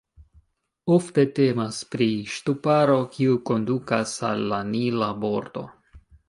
Ofte temas pri ŝtuparo, kiu kondukas al la Nila bordo.